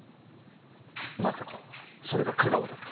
まさかそれが架川だった？